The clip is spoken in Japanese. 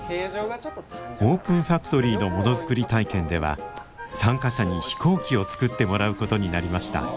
オープンファクトリーのものづくり体験では参加者に飛行機を作ってもらうことになりました。